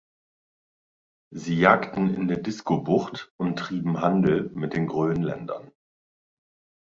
Sie jagten in der Diskobucht und trieben Handel mit den Grönländern.